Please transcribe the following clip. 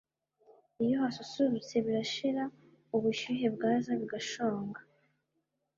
iyo hasusurutse birashira, ubushyuhe bwaza bigashonga